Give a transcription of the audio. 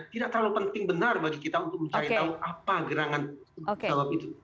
tidak terlalu penting benar bagi kita untuk mencari tahu apa gerangan jawab itu